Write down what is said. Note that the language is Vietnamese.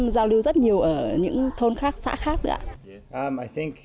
giao lưu rất nhiều ở những thôn khác xã khác ạ